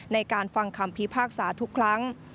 ในการฟังคำพิพากษาทุกครั้ง